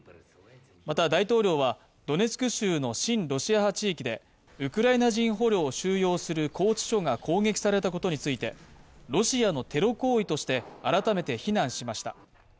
また、大統領はドネツク州の親ロシア派地域でウクライナ人捕虜を収容する拘置所が攻撃されたことについてロシアのテロ行為として改めて非難しました。